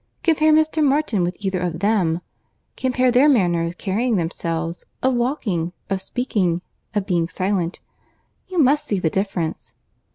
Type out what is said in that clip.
Compare Mr. Martin with either of them. Compare their manner of carrying themselves; of walking; of speaking; of being silent. You must see the difference."